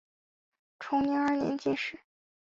崇宁二年进士。